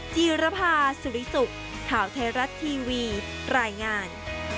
จีรภาสุริสุขข่าวไทยรัฐทีวีรายงาน